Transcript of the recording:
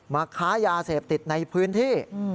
ค้ายาเสพติดในพื้นที่